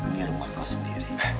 di rumah kau sendiri